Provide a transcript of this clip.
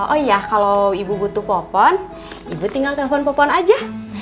oh iya kalau ibu butuh popon ibu tinggal telepon popon aja